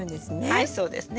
はいそうですね。